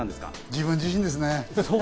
自分自身ですね。